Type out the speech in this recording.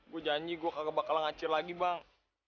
gue janji gue kagak bakal ngacir lagi bang